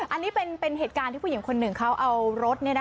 อันนี้เป็นเหตุการณ์ที่ผู้หญิงคนหนึ่งเขาเอารถ